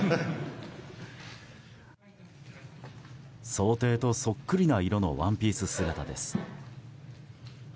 装丁とそっくりな色のワンピース姿です。